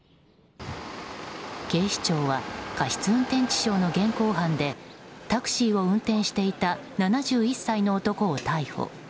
警視庁は過失運転致傷の現行犯でタクシーを運転していた７１歳の男を逮捕。